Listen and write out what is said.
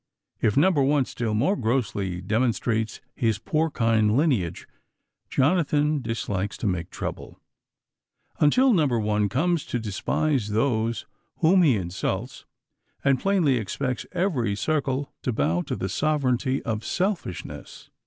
If number one still more grossly demonstrates his porcine lineage, Jonathan dislikes to make trouble until number one comes to despise those whom he insults, and plainly expects every circle to bow to the sovereignty of selfishness.